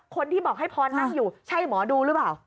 คนที่บอกให้พรนั่งอยู่ใช่หมอดูหรือเปล่า